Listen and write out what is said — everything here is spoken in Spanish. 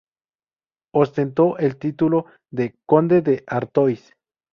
Ostentó el título de "Conde de Artois".